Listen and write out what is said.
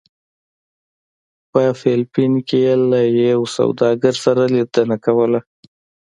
په فلپین کې یې له یو سوداګر سره لیدنه کوله.